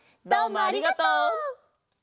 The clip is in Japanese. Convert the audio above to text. どうもありがとう！